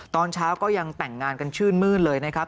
ตอนเช้าก็ยังแต่งงานกันชื่นมืดเลยนะครับ